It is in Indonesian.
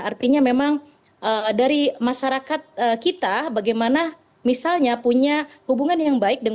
artinya memang dari masyarakat kita bagaimana misalnya punya hubungan yang baik